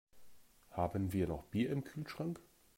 Haben wir noch Bier im Kühlschrank?